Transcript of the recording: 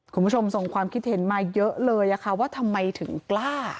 คุณผู้ชมส่งความคิดเห็นมาเยอะเลยว่าทำไมถึงกล้า